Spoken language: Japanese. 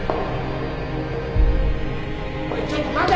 おいちょっと待て！